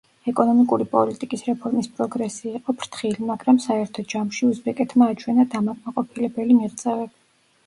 ეკონომიკური პოლიტიკის რეფორმის პროგრესი იყო ფრთხილი, მაგრამ საერთო ჯამში, უზბეკეთმა აჩვენა დამაკმაყოფილებელი მიღწევები.